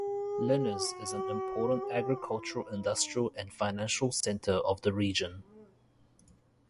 Linares is an important agricultural, industrial and financial center of the region.